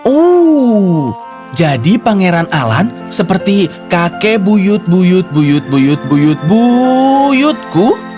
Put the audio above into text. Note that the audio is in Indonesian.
oh jadi pangeran alan seperti kakek buyut buyut buyut buyut buyut buyutku